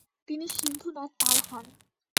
তিনি সিন্ধু নদ পার হন।